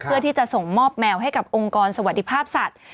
เพื่อที่จะส่งมอบแมวให้กับองค์กรสวัสดิภาพสัตว์